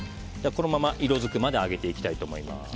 このまま色づくまで揚げていきたいと思います。